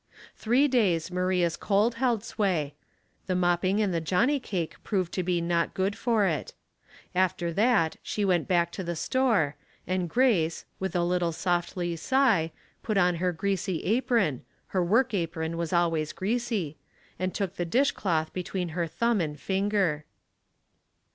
Three days Maria's cold held sway ; the mop ping and the johnny cake proved to be not good for it. After that she went back to the store, and Grace, with a little softly sigh, put on her greasy apron — her work apron was always greasy — and took the dish cloth between her thumb and fing^er.